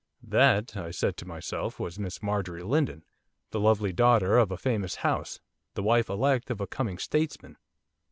'That,' I said to myself, 'was Miss Marjorie Lindon, the lovely daughter of a famous house; the wife elect of a coming statesman.